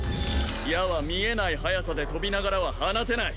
矢は見えない速さで飛びながらは放てない